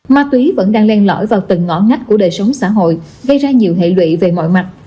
ma túy vẫn đang len lõi vào từng ngõ ngách của đời sống xã hội gây ra nhiều hệ lụy về mọi mặt